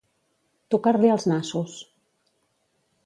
Tocar-li els nassos.